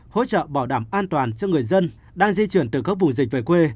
hỗ trợ bảo đảm an toàn cho người dân đang di chuyển từ các vùng dịch về quê